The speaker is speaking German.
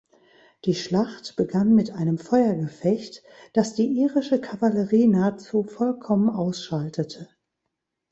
Die Schlacht begann mit einem Feuergefecht, das die irische Kavallerie nahezu vollkommen ausschaltete.